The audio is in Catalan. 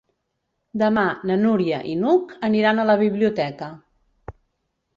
Demà na Núria i n'Hug aniran a la biblioteca.